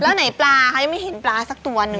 แล้วไหนปลาเขายังไม่เห็นปลาสักตัวหนึ่ง